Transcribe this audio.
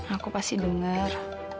aku pasti denger